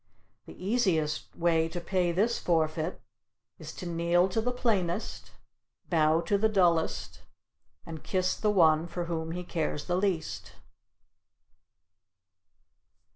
The easiest way to pay this forfeit is to kneel to the plainest, bow to the dullest and kiss the one for whom he cares the least.